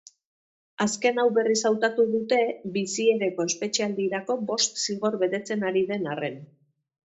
Azken hau berriz hautatu dute biziereko espetxealdirako bost zigor betetzen ari den arren.